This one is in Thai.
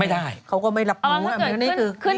ขอให้จอดให้ลงเถอะจะจอดหรือเปล่าจอดให้ลงหน่อย